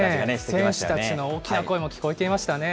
選手たちの大きな声も聞こえていましたよね。